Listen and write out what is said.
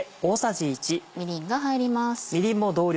みりんが入ります。